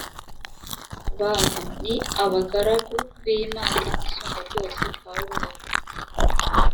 bantu ni abagaragu b imana isumbabyose pawulo yabwiye